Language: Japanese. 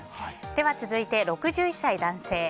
続いて６１歳、男性の方。